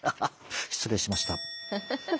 失礼しました。